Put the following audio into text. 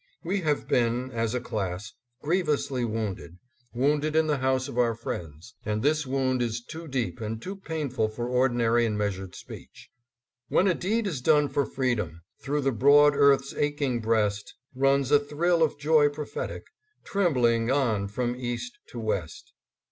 We have been, as a class, grievously wounded, wounded in the house of our friends, and this wound is ADDRESS AT LINCOLN HALL. 655 too deep and too painful for ordinary and measured speech. " When a deed is done for freedom, Through the broad earth's aching breast Runs a thrill of joy prophetic, Trembling on from east to west."